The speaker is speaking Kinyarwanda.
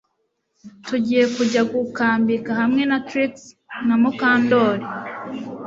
Tugiye kujya gukambika hamwe na Trix na Mukandoli